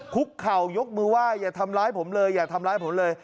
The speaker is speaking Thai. คุกเข่ายกมือไหว้อย่าทำร้ายผมเลยอย่าทำร้ายผมเลย